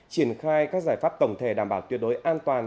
triển khai các giải pháp tổng thể đảm bảo tuyệt đối an toàn